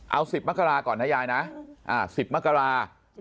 เอา๑๐มกราก่อนนะยายนะ๑๐มกรา